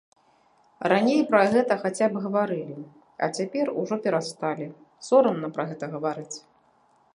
Раней пра гэта хаця б гаварылі, а цяпер ужо перасталі, сорамна пра гэта гаварыць.